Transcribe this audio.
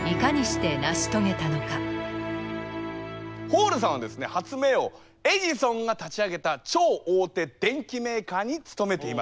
ホールさんはですね発明王エジソンが立ち上げた超大手電機メーカーに勤めていました。